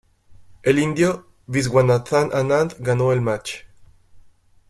El indio Viswanathan Anand ganó el match.